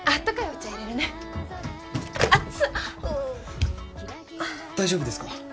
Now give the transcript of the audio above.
う大丈夫ですか？